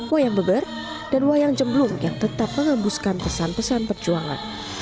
wayang beber dan wayang jemblung yang tetap mengembuskan pesan pesan perjuangan